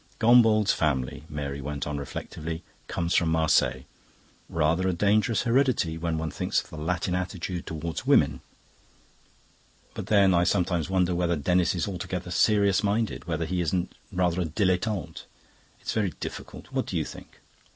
"Gombauld's family," Mary went on reflectively, "comes from Marseilles. Rather a dangerous heredity, when one thinks of the Latin attitude towards women. But then, I sometimes wonder whether Denis is altogether serious minded, whether he isn't rather a dilettante. It's very difficult. What do you think?"